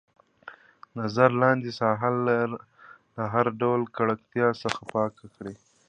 نظر لاندې ساحه له هر ډول ککړتیا څخه پاکه کړئ.